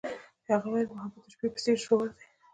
هغې وویل محبت یې د شپه په څېر ژور دی.